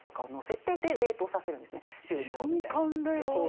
瞬間冷凍。